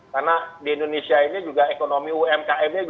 karena di indonesia ini juga ekonomi umkm ini